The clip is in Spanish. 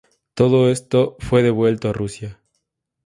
Todo esto fue devuelto a Rusia.